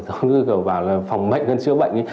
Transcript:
giống như kiểu bảo là phòng bệnh ngân chứa bệnh ấy